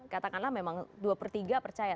katakanlah memang dua per tiga percaya